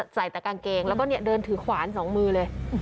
ใส่แต่กางเกงแล้วก็เดินถือขวานสองมือเลย